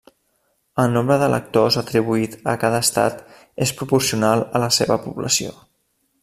El nombre d'electors atribuït a cada estat és proporcional a la seva població.